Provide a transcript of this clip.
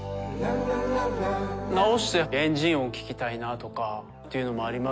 直してエンジン音聞きたいなとかっていうのもありますし。